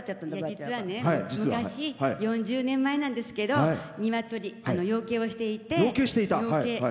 実は昔４０年前なんですけど鶏、養鶏をしていて。